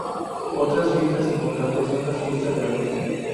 Otras fiestas importantes son las fiestas de agosto.